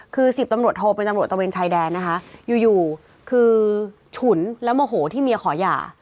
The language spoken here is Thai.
คือ๑๐ตำรวจโทเป็นตำรวจตะเวนชายแดนนะคะอยู่คือฉุนแล้วโมโหที่เมียขอหย่า